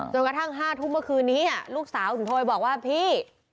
จนกระทั่งห้าทุ่มเมื่อคืนนี้ลูกสาวสุนโทยบอกว่าพี่